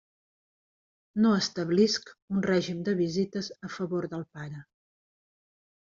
No establisc un règim de visites a favor del pare.